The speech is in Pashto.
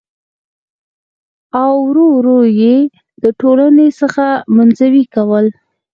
او ور ور يې د ټـولنـې څـخـه منـزوي کـول .